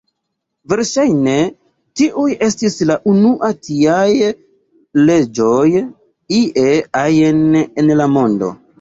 Verŝajne, tiuj estis la unua tiaj leĝoj ie ajn en la mondo.